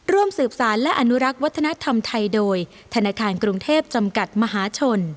ร่วมสืบสารและอนุรักษ์วัฒนธรรมไทยโดยธนาคารกรุงเทพจำกัดมหาชน